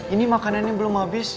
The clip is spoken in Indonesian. ini makanannya belum habis